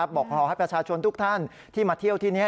บอกขอให้ประชาชนทุกท่านที่มาเที่ยวที่นี้